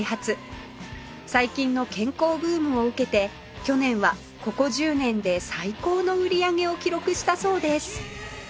最近の健康ブームを受けて去年はここ１０年で最高の売り上げを記録したそうです